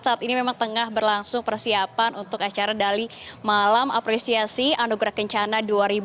saat ini memang tengah berlangsung persiapan untuk acara dali malam apresiasi anugerah kencana dua ribu dua puluh